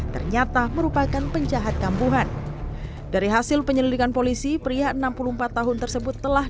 ternyata merupakan penjahat kambuhan dari hasil penyelidikan polisi pria enam puluh empat tahun tersebut telah